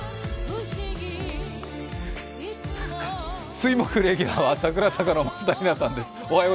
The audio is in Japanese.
水木レギュラーは櫻坂の松田里奈さんです。